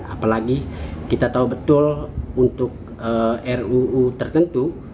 apalagi kita tahu betul untuk ruu tertentu